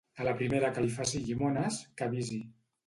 A la primera que li faci llimones que avisi